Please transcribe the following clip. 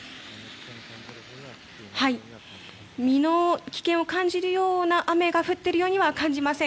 身の危険を感じるような雨が降っているようには感じません。